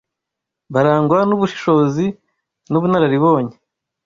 barangwa n’ubushishozi n’ ubunararibonye